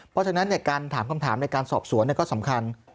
เพราะฉะนั้นการถามคำถามในการสอบสวนก็สำคัญ